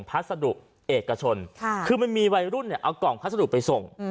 พัสดุเอกชนคือมันมีวัยรุ่นเอากล่องพัสดุไปส่ง